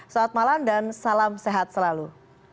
selamat malam dan salam sehat selalu